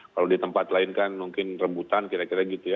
kalau di tempat lain kan mungkin rebutan kira kira gitu ya